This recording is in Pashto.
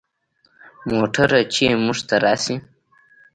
موټر چې موږ ته راسي.